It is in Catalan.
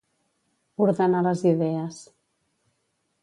Ordenar les idees.